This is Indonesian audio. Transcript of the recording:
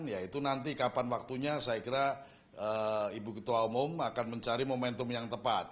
yaitu nanti kapan waktunya saya kira ibu ketua umum akan mencari momentum yang tepat